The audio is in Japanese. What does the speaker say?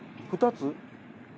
２つ？